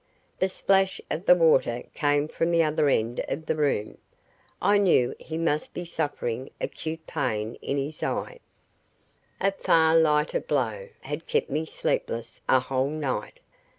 The splash of the water came from the other end of the room. I knew he must be suffering acute pain in his eye. A far lighter blow had kept me sleepless a whole night.